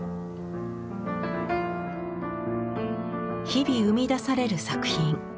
日々生み出される作品。